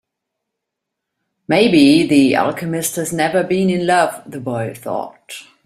Maybe the alchemist has never been in love, the boy thought.